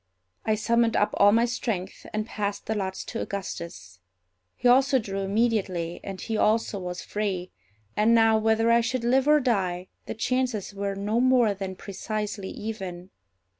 I summoned up all my strength, and passed the lots to Augustus. He also drew immediately, and he also was free; and now, whether I should live or die, the chances were no more than precisely even.